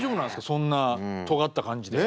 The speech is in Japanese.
そんなとがった感じで。